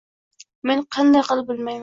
men qanday qilib bilmayman.